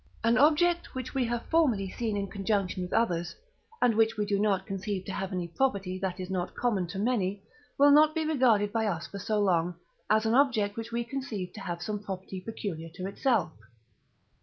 An object which we have formerly seen in conjunction with others, and which we do not conceive to have any property that is not common to many, will not be regarded by us for so long, as an object which we conceive to have some property peculiar to itself.